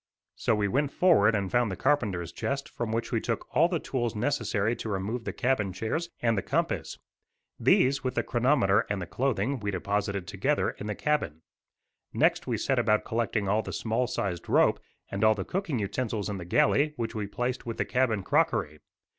So we went forward and found the carpenter's chest, from which we took all the tools necessary to remove the cabin chairs, and the compass. These, with the chronometer and the clothing, we deposited together in the cabin. Next we set about collecting all the small sized rope and all the cooking utensils in the galley, which we placed with the cabin crockery.